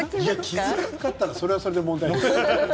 気付かなかったらそれはそれで問題です。